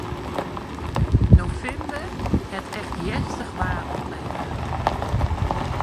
Novimber hat echt hjerstich waar oplevere.